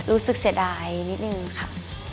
รู้สึกเสียดายนิดนึงค่ะ